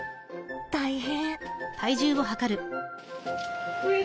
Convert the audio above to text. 大変。